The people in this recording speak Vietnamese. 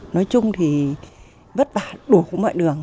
nói chung thì vất vả đủ mọi đường